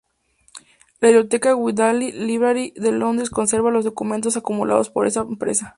La biblioteca Guildhall Library de Londres conserva los documentos acumulados por esta empresa.